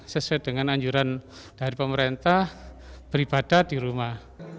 sesuai dengan anjuran dari pemerintah beribadah di rumah